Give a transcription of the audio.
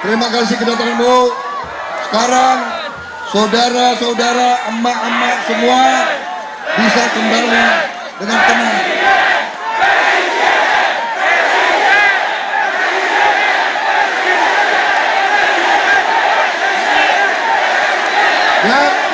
terima kasih kedatanganmu sekarang saudara saudara emak emak semua bisa kembali dengan tenang